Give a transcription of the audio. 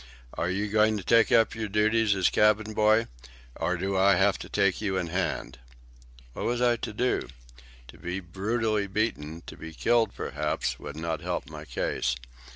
Are you going to take up your duties as cabin boy? Or do I have to take you in hand?" What was I to do? To be brutally beaten, to be killed perhaps, would not help my case.